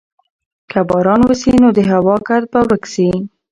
که باران وسي نو د هوا ګرد به ورک سي.